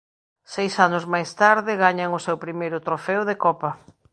Seis anos máis tarde gañan o seu primeiro trofeo de Copa.